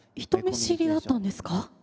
人見知りだったんですか？